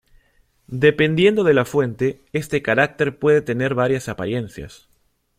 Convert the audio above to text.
Dependiendo de la fuente, este carácter puede tener varias apariencias.